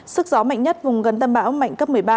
sức gió mạnh nhất vùng gần tâm bão mạnh cấp một mươi ba